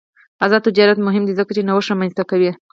آزاد تجارت مهم دی ځکه چې نوښت رامنځته کوي.